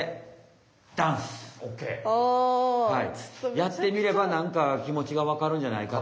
やってみればなんかきもちがわかるんじゃないかと。